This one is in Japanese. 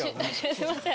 すいません。